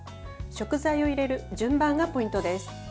食材を入れる順番がポイントです。